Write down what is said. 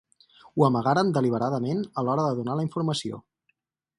Ho amagaren deliberadament a l'hora de donar la informació.